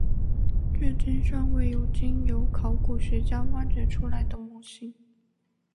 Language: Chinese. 至今尚未有经由考古学家挖掘出来的模型。